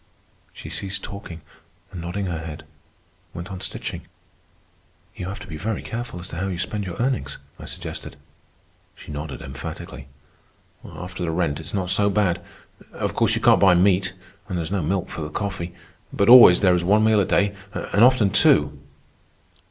She ceased talking, and, nodding her head, went on stitching. "You have to be very careful as to how you spend your earnings," I suggested. She nodded emphatically. "After the rent it's not so bad. Of course you can't buy meat. And there is no milk for the coffee. But always there is one meal a day, and often two."